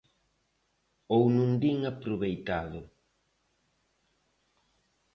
Ou non din aproveitado.